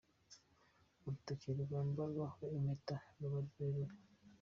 Urutoki rwambarwaho impeta ruba ari rurerure.